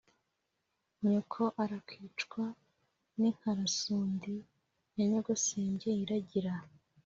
nyoko arakicwa n'inkarasundi ya nyogosenge iragira